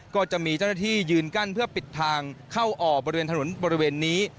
ก็จะมีเจ้าหน้าที่ยืนกั้นเพื่อปิดทางเข้าออกบริเวณถนนบริเวณนี้